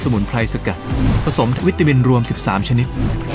มุนไพรสกัดผสมสวิตามินรวม๑๓ชนิด